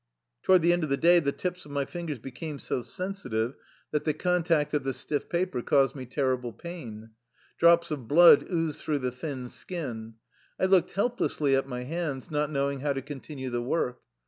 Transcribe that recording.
Toward the end of the day the tips of my fin gers became so sensitive that the contact of the stiff paper caused me terrible pain. Drops of blood oozed through the thin skin. I looked helplessly at my hands, not knowing how to con tinue the work.